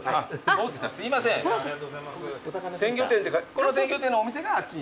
この鮮魚店のお店があっちに。